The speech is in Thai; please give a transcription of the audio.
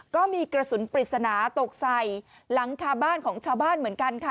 ก็มีกระสุนปริศนาตกใส่หลังคาบ้านของชาวบ้านเหมือนกันค่ะ